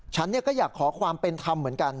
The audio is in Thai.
ฉันก็อยากขอความเป็นธรรมเหมือนกัน